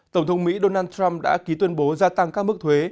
tổng thống mỹ donald trump đã ký tuyên bố gia tăng các mức thuế